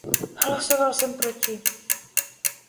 Hlasoval jsem proti.